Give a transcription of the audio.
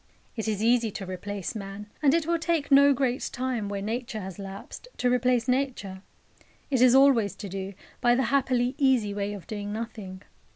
It is easy to replace man, and it will take no great time, where Nature has lapsed, to replace Nature. It is always to do, by the happily easy way of doing nothing.